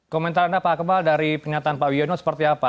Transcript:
komentar anda pak kebal dari pernyataan pak wiono seperti apa